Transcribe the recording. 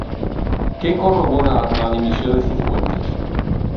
Què corrobora la dimissió de Cifuentes?